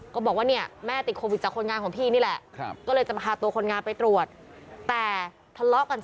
ก็บอกว่าแม่ติดโควิดจากคนงานของพี่นี่แหละ